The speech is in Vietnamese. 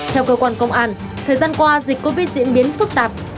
theo cơ quan công an thời gian qua dịch covid diễn biến phức tạp